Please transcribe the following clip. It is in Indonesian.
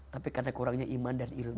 tapi karena kurangnya iman dan ilmu